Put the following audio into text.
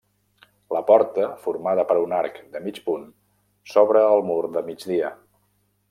La porta, formada per un arc de mig punt, s'obre al mur de migdia.